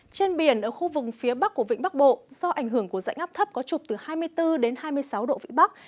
trên biển ở khu vực phía bắc của vĩnh bắc bộ do ảnh hưởng của dãy ngắp thấp có trục từ hai mươi bốn đến hai mươi sáu độ vĩ bắc